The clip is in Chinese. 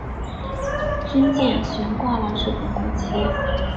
军舰悬挂了日本国旗。